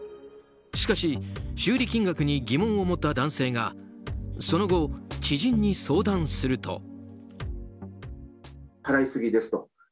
しかし、修理金額に疑問を持った男性がその後、知人に相談すると。